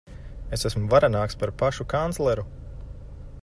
Es esmu varenāks par pašu kancleru.